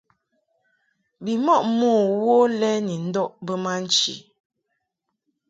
Bimɔʼ mo wo lɛ ni ndɔʼ bə ma nchi.